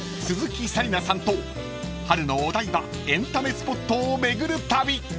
鈴木紗理奈さんと春のお台場エンタメスポットを巡る旅］